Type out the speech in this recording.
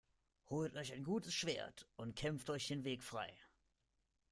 Holt euch ein gutes Schwert und kämpft euch den Weg frei!